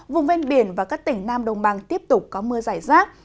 vùng bên biển và các tỉnh nam đồng bằng tiếp tục có mưa rải rác